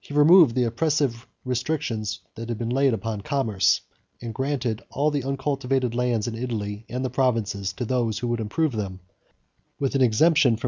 He removed the oppressive restrictions which had been laid upon commerce, and granted all the uncultivated lands in Italy and the provinces to those who would improve them; with an exemption from tribute during the term of ten years.